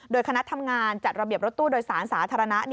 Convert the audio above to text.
โดยคณะทำงานจัดระเบียบรถตู้โดยสารสาธารณะ